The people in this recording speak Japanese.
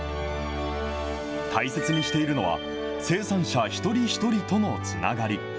大切にしているのは、生産者一人一人とのつながり。